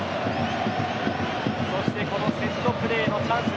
そしてこのセットプレーのチャンス。